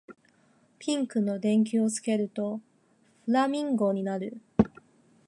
ピンクの電球をつけるとフラミンゴになる